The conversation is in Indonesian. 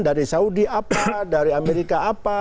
dari saudi apa dari amerika apa